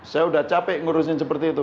saya sudah capek menguruskan seperti itu